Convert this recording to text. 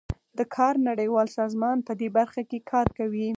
د کار نړیوال سازمان پدې برخه کې کار کوي